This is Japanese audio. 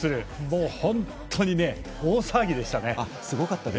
もう、本当に大騒ぎでしたね。